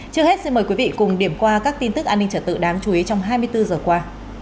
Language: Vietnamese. trước hết xin mời quý vị cùng điểm qua các tin tức an ninh trật tự đáng chú ý trong hai mươi bốn giờ qua